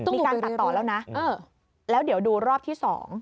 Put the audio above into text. มีการตัดต่อแล้วนะแล้วเดี๋ยวดูรอบที่๒